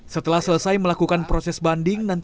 setelah selesai melakukan proses banding